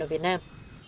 ở việt nam